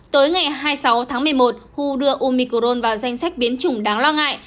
tới ngày hai mươi sáu tháng một mươi một hu đưa umicron vào danh sách biến chủng đáng lo ngại